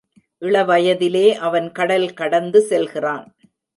இளவயதிலே அவன் கடல் கடந்து செல்கிறான்.